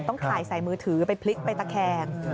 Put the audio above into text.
ต้องถ่ายใส่มือถือไปพลิกไปตะแคง